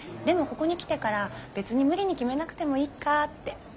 でもここに来てから別に無理に決めなくてもいいかって。